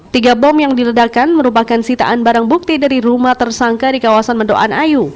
tiga bom yang diledakan merupakan sitaan barang bukti dari rumah tersangka di kawasan mendoan ayu